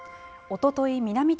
おととい、南